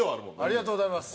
ありがとうございます。